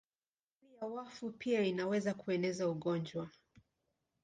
Miili ya wafu pia inaweza kueneza ugonjwa.